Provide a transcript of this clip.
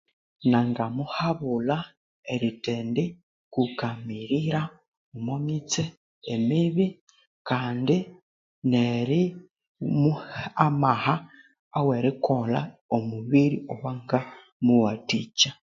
Nangamuhabulha erithendikukamirira omwamitsi emibi kandi nerimuha amaha ewerikolha omubiri owangamuthikya